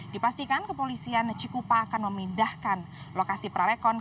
dipastikan kepolisian cikupa akan memindahkan lokasi prarekon